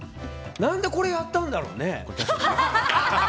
何でこれやったんだろうね。